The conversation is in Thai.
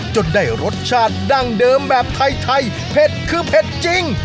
จนได้รสชาติดั้งเดิมแบบไทยเผ็ดคือเผ็ดจริง